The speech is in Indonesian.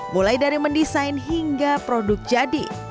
mulai dari mendesain hingga produk jadi